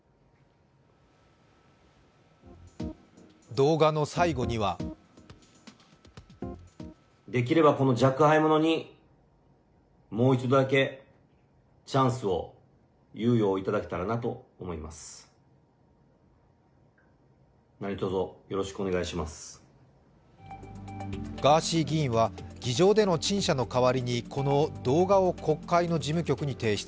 動画の最後にはガーシー議員は議場での陳謝の代わりにこの動画を国会の事務局に提出。